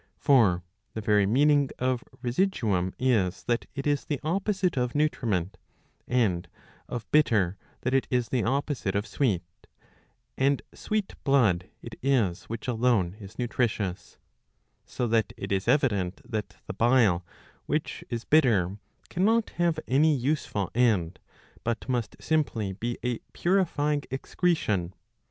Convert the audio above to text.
For the very meaning of residuum is that it is the opposite of nutriment, and of bitter that it is the opposite of sweet ; and sweet blood it is which alone is nutritious,^^ So that it is evident that the bile, which is bitter, cannot have any useful end, but must simply be a purifying excretion.